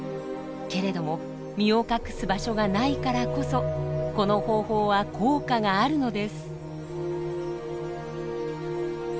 けれども身を隠す場所がないからこそこの方法は効果があるのです。